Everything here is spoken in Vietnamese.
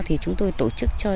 thì chúng tôi tổ chức